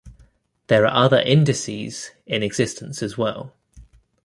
There are other indices in existence as well.